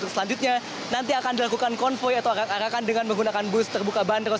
selanjutnya nanti akan dilakukan konvoy atau arak arakan dengan menggunakan bus terbuka bandros